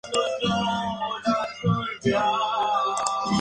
Está presente en el aceite esencial de canela.